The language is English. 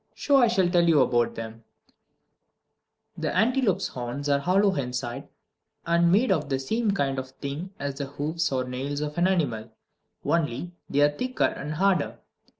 So I shall tell you about them: 1. The antelope's horns are hollow inside, and made of the same kind of thing as the hoofs or nails of an animal, only they are thicker and harder.